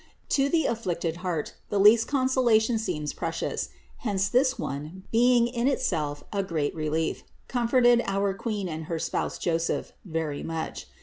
620. To the afflicted heart the least consolation seems precious; hence this one, being in itself a great relief, comforted our Queen and her spouse Joseph very much.